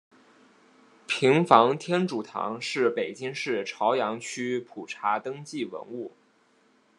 平房天主堂是北京市朝阳区普查登记文物。